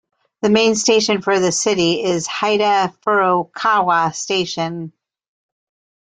The main station for the city is Hida-Furukawa Station.